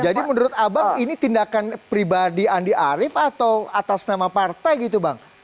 jadi menurut abang ini tindakan pribadi andi arief atau atas nama partai gitu bang